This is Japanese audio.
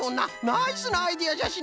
ナイスなアイデアじゃシナプー！